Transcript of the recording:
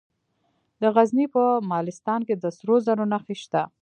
د غزني په مالستان کې د سرو زرو نښې شته.